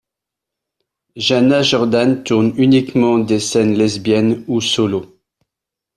Jana Jordan tourne uniquement des scènes lesbiennes ou solos.